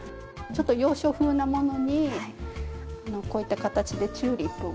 洋書風なものにこういった形でチューリップを。